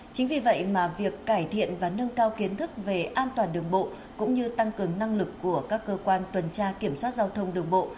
chính vì vậy mà việc cải thiện và nâng cao kiến thức về an toàn đường bộ cũng như tăng cường năng lực của các cơ quan tuần tra kiểm soát giao thông đường bộ